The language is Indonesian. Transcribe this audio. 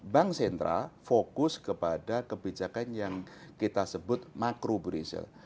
bank sentral fokus kepada kebijakan yang kita sebut makro brazil